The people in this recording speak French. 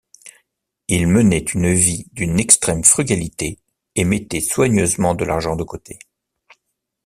Ils menaient une vie d'une extrême frugalité et mettaient soigneusement de l’argent de côté.